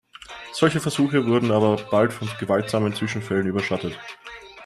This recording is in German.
Solche Versuche wurden aber bald von gewaltsamen Zwischenfällen überschattet.